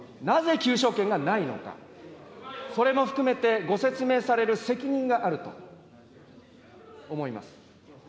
なぜ求償権がないのか、それも含めてご説明される責任があると思います。